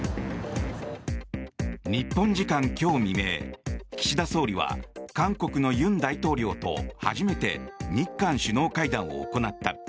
日本時間今日未明岸田総理は韓国の尹大統領と初めて日韓首脳会談を行った。